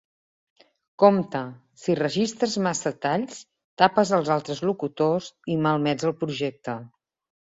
Compte! Si enregistres massa talls, tapes els altres locutors i malmets el projecte.